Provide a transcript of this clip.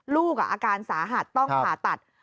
ลูกอาการสาหัสต้องผ่าตัด